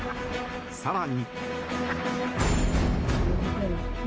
更に。